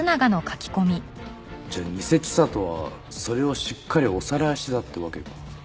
じゃあニセ知里はそれをしっかりおさらいしてたってわけか。